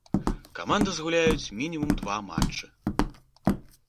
Каманда згуляюць мінімум два матчы.